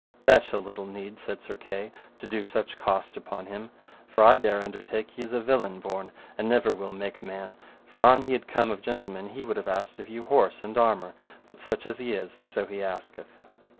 That shall little need, said Sir Kay, to do such cost upon him; for I dare undertake he is a villain born, and never will make man, for an he had come of gentlemen he would have asked of you horse and armour, but such as he is, so he asketh.